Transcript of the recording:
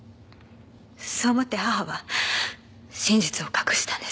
そう思って母は真実を隠したんです。